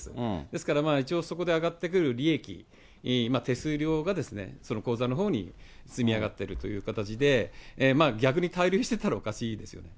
ですから、そこで上がってくる利益、手数料がその口座のほうに積み上がってるという形で、逆にたいりゅうしてたらおかしいですよね。